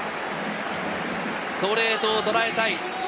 ストレートをとらえた。